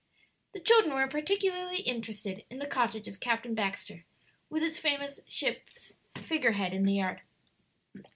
The children were particularly interested in the cottage of Captain Baxter, with its famous ship's figure head in the yard.